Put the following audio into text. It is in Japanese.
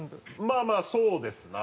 まあまあそうですな。